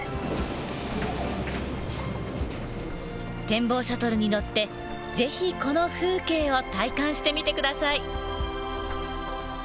天望シャトルに乗って是非この風景を体感してみて下さい。